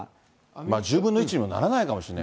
１０分の１にもならないかもしれない。